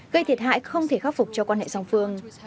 gây thiệt hại không thể khắc phục cho quan hệ song phương